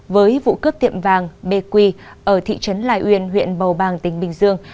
với vụ cướp tiệm vàng bqi ở thị trấn lài uyên huyện bầu bàng tỉnh bình dương